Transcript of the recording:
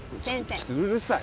ちょっとうるさい！